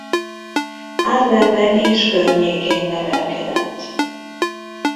Harlemben és környékén nevelkedett.